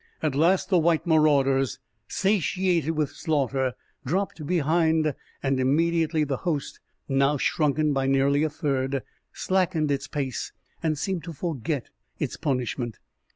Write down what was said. At last the white marauders, satiated with slaughter, dropped behind, and immediately the host, now shrunken by nearly a third, slackened its pace and seemed to forget its punishment.